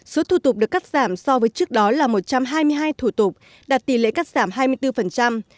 số thủ tục được cắt giảm so với trước đó là một trăm hai mươi hai thủ tục đạt tỷ lệ cắt giảm hai mươi bốn